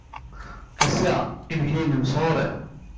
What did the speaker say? Ass-a, imekli-nnem sɣur-i.